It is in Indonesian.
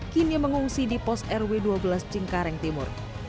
kini mengungsi di pos rw dua belas cengkareng timur